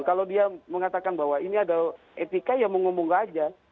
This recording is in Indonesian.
kalau dia mengatakan bahwa ini ada etika ya mengumumkan saja